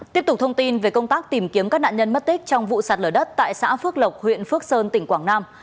tiếp tục thông tin về công tác tìm kiếm các nạn nhân mất tích trong vụ sạt lở đất tại xã phước lộc huyện phước sơn tỉnh quảng nam